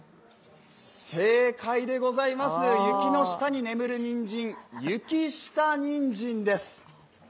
正解でございます、雪の下に眠るにんじん、雪下にんじんです。